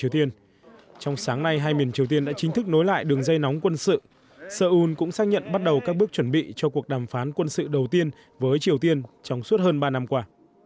trong sáng nay hai miền triều tiên đã chính thức nối lại đường dây nóng quân sự seoul cũng xác nhận bắt đầu các bước chuẩn bị cho cuộc đàm phán quân sự đầu tiên với triều tiên trong suốt hơn ba năm qua